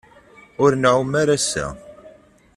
Ur nɛum ara ass-a.